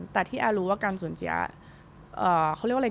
แต่ที่อาร์อีร์รู้ว่าการศุนย์เสียร้อนเค้าเรียกว่าอะไร